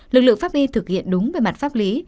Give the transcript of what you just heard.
lực lượng pháp y thực hiện đúng về mặt pháp lý